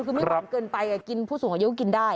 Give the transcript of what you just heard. คือไม่หวานเกินไปกินผู้สูงอายุกินได้